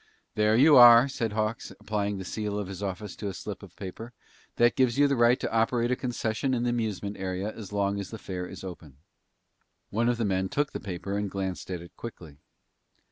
"There you are," said Hawks, applying the seal of his office to a slip of paper. "That gives you the right to operate a concession in the amusement area as long as the fair is open." One of the men took the paper and glanced at it quickly.